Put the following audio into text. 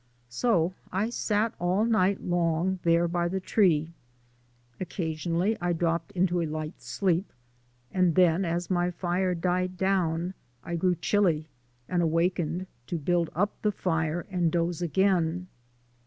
So I sat all night long there by the tree. Occasionally I dropped into a light sleep, and then, as my fire died down, I grew chilly and awakened, to build up the fire and doze again.